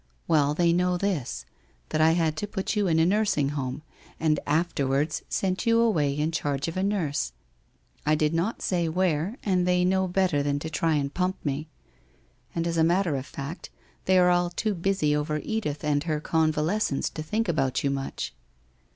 ' Well, they know this, that I had to put you in a Nursing Home, and afterwards sent you away in charge of a nurse. I did not say where and they know hotter than to try and pump me. And, as a matter of fact, they are all too busy over Edith and her convalescence to think about you much.'